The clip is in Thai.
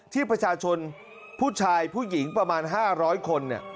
ที่ประชาชนผู้ชายผู้หญิงประมาณ๕๐๐คน